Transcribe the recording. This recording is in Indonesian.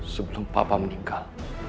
sebelum papa meninggal